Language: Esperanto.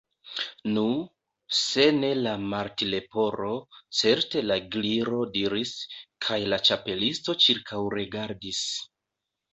"Nu, se ne la Martleporo, certe la Gliro diris " kaj la Ĉapelisto ĉirkaŭregardis.